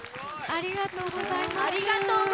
ありがとうございます。